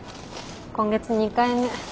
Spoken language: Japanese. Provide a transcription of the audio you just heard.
今月２回目。